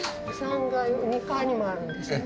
３階２階にもあるんですね。